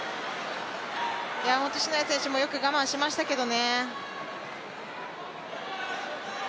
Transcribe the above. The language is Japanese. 本当に篠谷選手もよく我慢しましたけどね。